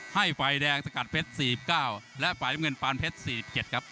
ให้ฝ่ายแดงสกัดเพชร๔๙และฝ่ายน้ำเงินปานเพชร๔๗ครับ